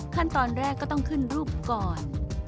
ขั้นตอนแรกก็ต้องขึ้นรูปก่อน